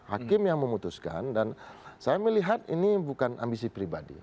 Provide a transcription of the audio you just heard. hakim yang memutuskan dan saya melihat ini bukan ambisi pribadi